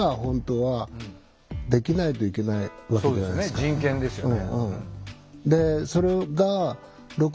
人権ですよね。